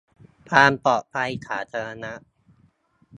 ความปลอดภัยสาธารณะ